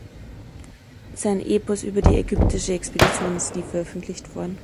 Sein Epos über die ägyptische Expedition ist nie veröffentlicht worden.